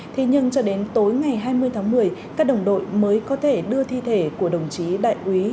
thế nhưng cho đến tối ngày hai mươi tháng một mươi các đồng đội mới có thể đưa thi thể của đồng chí đại úy